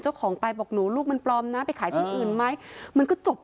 เจ้าของไปบอกหนูลูกมันปลอมนะไปขายที่อื่นไหมมันก็จบ